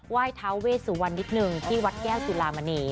ไหว้เท้าเวสุวรรณนิดนึงที่วัดแก้วสุรมาณี